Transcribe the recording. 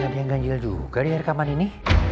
liat dia yang ganjil juga di rekaman ini